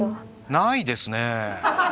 ないですね。